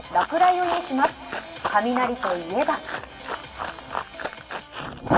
雷といえば。